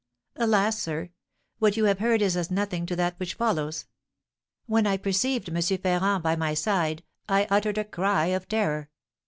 "Alas, sir! what you have heard is as nothing to that which follows. When I perceived M. Ferrand by my side I uttered a cry of terror.